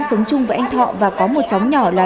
sống chung với anh thọ và có một cháu nhỏ là